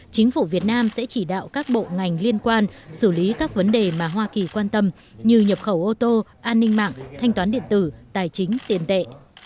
chính phủ việt nam sẽ chỉ đạo các bộ ngành liên quan xử lý các vấn đề mà hoa kỳ quan tâm như nhập khẩu ô tô an ninh mạng thanh toán điện tử tài chính tiền tệ